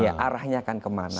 iya arahnya akan kemana